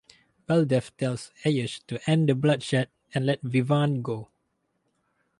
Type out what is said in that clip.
Baldev tells Ayush to end the bloodshed and let Vivaan go.